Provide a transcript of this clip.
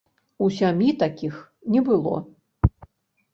У сям'і такіх не было.